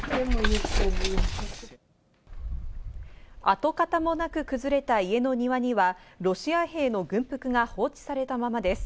跡形もなく崩れた家の庭にはロシア兵の軍服が放置されたままです。